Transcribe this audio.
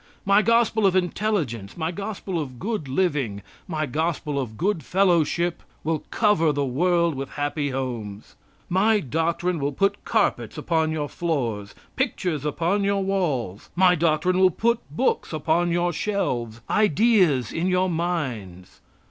My gospel of intelligence, my gospel of good living, my gospel of good fellowship will cover the world with happy homes. My doctrine will put carpets upon your floors, pictures upon your walls. My doctrine will put books upon your shelves, ideas in your minds.